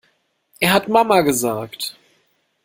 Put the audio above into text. Er hat Mama gesagt!